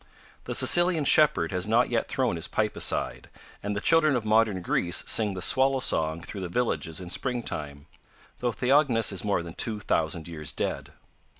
The Sicilian shepherd has not yet thrown his pipe aside, and the children of modern Greece sing the swallow song through the villages in spring time, though Theognis is more than two thousand years dead.